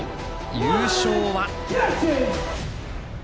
優勝は？